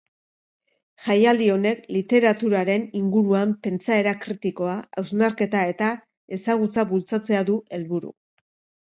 Jaialdi honek literaturaren inguruan pentsaera kritikoa, hausnarketa eta ezagutza bultzatzea du helburu.